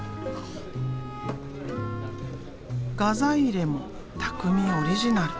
画材入れも拓実オリジナル。